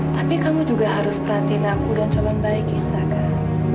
tapi kamu juga harus perhatiin aku dan calon baik kita kan